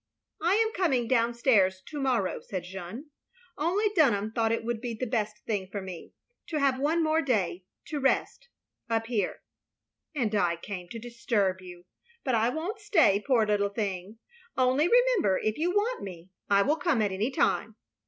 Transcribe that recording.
" I am coming down stairs — ^to morrow, " said Jeanne. "Only Dunham thought it would be the best thing for me — ^to have one more day — ^to rest — ^up here." "And I came to disturb you. But I won't stay — ^poor little thing. Only remember, if you want me, I will come at any time.